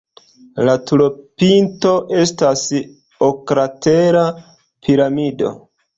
La turopinto estas oklatera piramido.